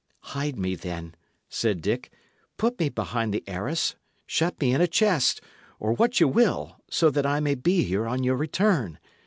"Hide me, then," said Dick, "put me behind the arras, shut me in a chest, or what ye will, so that I may be here on your return.